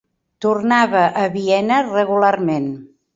Tornava a Viena regularment.